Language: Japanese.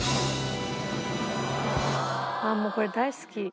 もうこれ大好き。